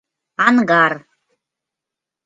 — Ангар.